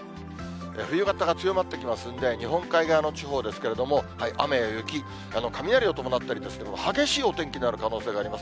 冬型が強まってきますんで、日本海側の地方ですけれども、雨や雪、雷を伴ったり、激しいお天気になる可能性があります。